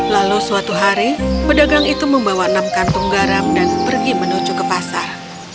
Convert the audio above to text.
lalu suatu hari pedagang itu membawa enam kantung garam dan pergi menuju ke pasar